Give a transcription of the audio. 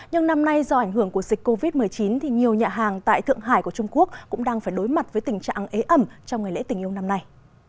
nhưng năm nay do ảnh hưởng của dịch covid một mươi chín thì nhiều nhà hàng tại thượng hải của trung quốc cũng đang phải đối mặt với tình trạng ế ẩm trong ngày lễ tình yêu năm nay